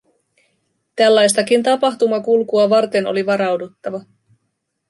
Tällaistakin tapahtumakulkua varten oli varauduttava.